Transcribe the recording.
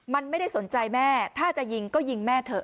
มันไม่ได้สนใจแม่ถ้าจะยิงก็ยิงแม่เถอะ